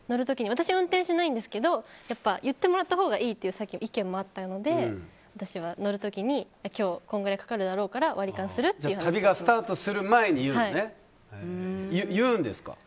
私、運転しないんですけど言ってもらったほうがいいという意見もあったので私は乗る時に今日このぐらいかかるだろうから割り勘する？って言って旅がスタートする前に言うのね。